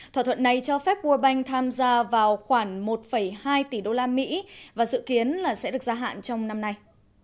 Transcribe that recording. thỏa thuận này cho phép world bank tham gia vào khoảng một hai tỷ đô la mỹ và dự kiến sẽ được gia hạn trong năm nay